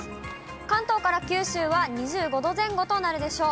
関東から九州は２５度前後となるでしょう。